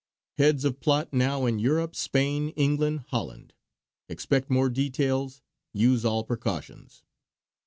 Heads of plot now in Europe, Spain, England, Holland. Expect more details. Use all precautions."